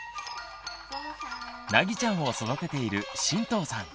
なぎちゃんを育てている神藤さん。